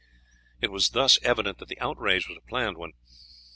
It was thus evident that the outrage was a planned one.